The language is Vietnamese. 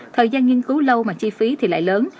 thời gian nghiên cứu lâu mà chi phí thì lại lớn